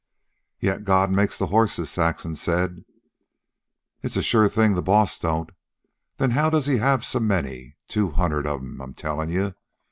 "Yet God makes the horses," Saxon said. "It's a sure thing the boss don't. Then how does he have so many? two hundred of 'em, I'm tellin' you.